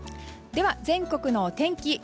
では全国のお天気